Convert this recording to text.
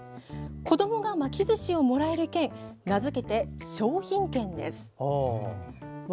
子どもが巻きずしをもらえる券名付けて笑